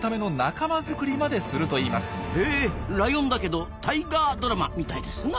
へえライオンだけどタイガードラマみたいですな！